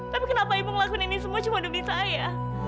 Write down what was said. tapi kenapa ibu ngelakuin ini semua cuma dubi saya